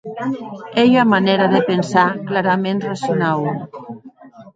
Ei ua manèra de pensar claraments racionau.